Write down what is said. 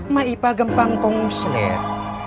ma ipa gempang kongseler